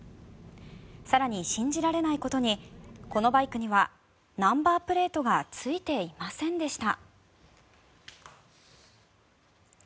更に、信じられないことにこのバイクにはナンバープレートがついていませんでした。